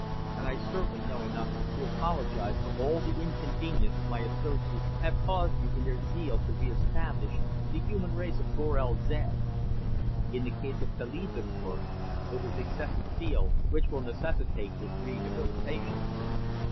And I certainly know enough to apologize for all the inconvenience my associates have caused you in their zeal to re establish the human race of Gorel zed. In the case of Kaliz, of course, it was excessive zeal which will necessitate his rehabilitation."